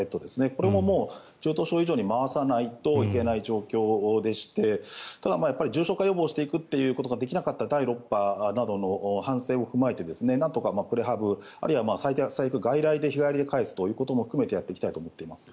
これも中等症以上に回さないといけない状況でただ、重症化予防をしていくことができなかった第６波などの反省を踏まえてなんとかプレハブあるいは最悪、外来で日帰りで帰すということもやっていきたいと思っています。